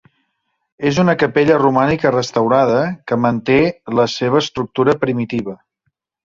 És una capella romànica restaurada que manté la seva estructura primitiva.